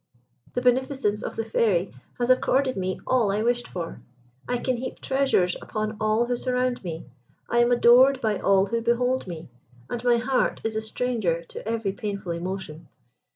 The beneficence of the Fairy has accorded me all I wished for. I can heap treasures upon all who surround me. I am adored by all who behold me, and my heart is a stranger to every painful emotion.